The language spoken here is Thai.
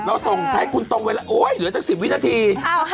เราส่งไทยคุณตรงไว้แล้วโอ๊ยเหลือจาก๑๐วินาที